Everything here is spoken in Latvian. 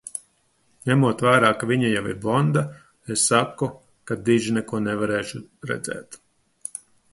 Ņemot vērā, ka viņa jau ir blonda, es saku, ka diži neko nevarēšu redzēt.